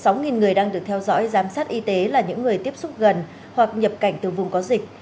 trong sáu người đang được theo dõi giám sát y tế là những người tiếp xúc gần hoặc nhập cảnh từ vùng có dịch